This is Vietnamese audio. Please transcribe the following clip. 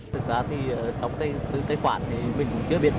đóng tài khoản thì mình cũng chưa biết